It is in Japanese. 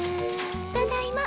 ただいま。